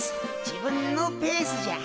自分のペースじゃ。